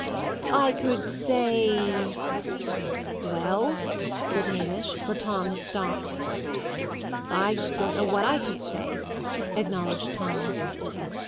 "I could say " "Well?" said Hamish, for Tom had stopped. "I don't know what I could say," acknowledged Tom.